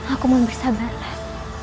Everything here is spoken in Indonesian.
aku mohon bersabarlah